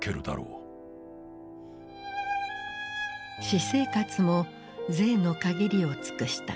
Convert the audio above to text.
私生活も贅の限りを尽くした。